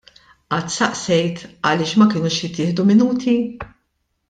Qatt staqsejt għaliex ma kenux jittieħdu Minuti?